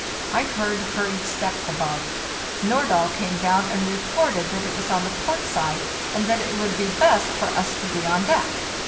I heard hurried steps above; Nordahl came down and reported that it was on the port side, and that it would be best for us to be on deck.